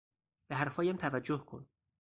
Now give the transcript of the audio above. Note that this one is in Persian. به حرفهایم توجه کن!